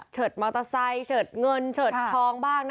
มอเตอร์ไซค์เฉิดเงินเฉิดทองบ้าง